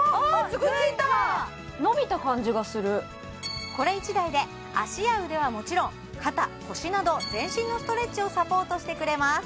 すごいついた伸びた感じがするこれ１台で脚や腕はもちろん肩腰など全身のストレッチをサポートしてくれます